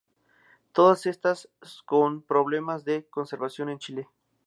Todas estas con problemas de conservación en Chile.